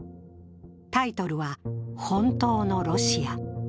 タイトルは「本当のロシア」。